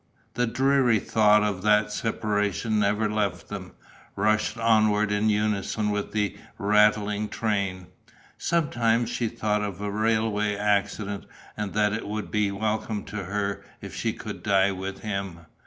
The dreary thought of that separation never left them, rushed onward in unison with the rattling train. Sometimes she thought of a railway accident and that it would be welcome to her if she could die with him.